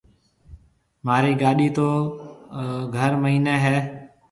مهارِي گاڏِي تو گهر مئينَي هيَ۔